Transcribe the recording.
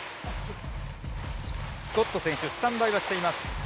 スコット選手スタンバイしています。